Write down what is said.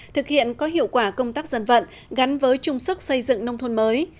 thực hiện có hiệu quả công tác dân vận gắn với trung sức xây dựng nông thôn mới